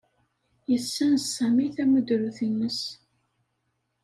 Yessenz Sami tamudrut-nnes.